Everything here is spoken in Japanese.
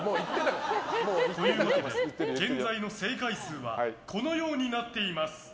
というわけで現在の正解数はこのようになっています。